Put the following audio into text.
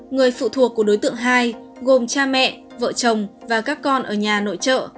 người phụ thuộc của đối tượng hai gồm cha mẹ vợ chồng và các con ở nhà nội trợ